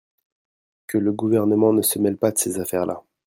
Que le gouvernement ne se mêle pas de ces affaire-là.